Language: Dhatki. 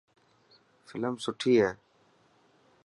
فلم سٺي هئي.